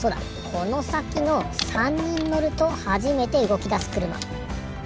このさきの３にんのるとはじめてうごきだすくるま。